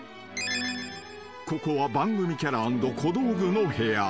［ここは番組キャラ＆小道具の部屋］